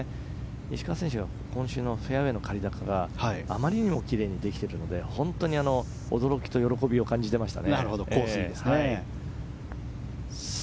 石川選手は今週のフェアウェーの刈り高があまりにもきれいにできているので驚きと喜びを感じていました。